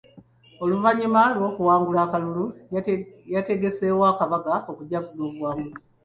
Oluvannyuma lw'okuwangula akalulu yategeseewo akabaga okujaguza obuwanguzi.